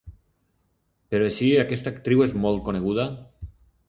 Però així aquesta actriu és molt coneguda?